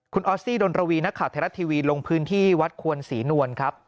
คุณออสซี่ดนรวีนักข่าวไทยรัฐทีวีลงพื้นที่วัดควรศรีนวลครับ